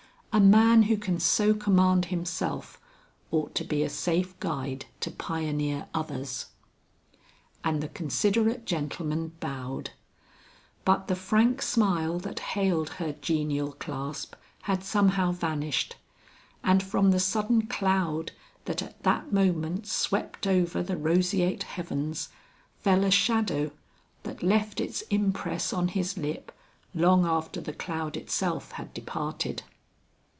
A man who can so command himself, ought to be a safe guide to pioneer others." And the considerate gentleman bowed; but the frank smile that hailed her genial clasp had somehow vanished, and from the sudden cloud that at that moment swept over the roseate heavens, fell a shadow that left its impress on his lip long after the cloud itself had departed.